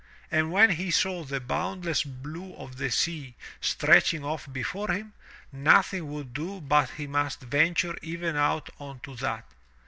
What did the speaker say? And when he saw the boundless blue of the sea stretching off before him, nothing would do but he must venture even out onto that.